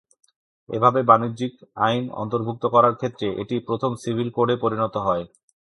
এভাবে বাণিজ্যিক আইন অন্তর্ভুক্ত করার ক্ষেত্রে এটি প্রথম সিভিল কোডে পরিণত হয়।